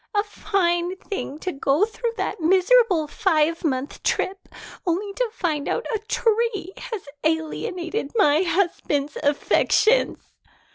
"A fine thing to go through that miserable five month trip only to find out a tree has alienated my husband's affections."